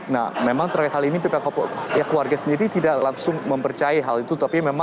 nah memang terkait hal ini pihak keluarga sendiri tidak langsung mempercayai hal itu